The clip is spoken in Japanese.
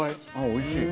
おいしい！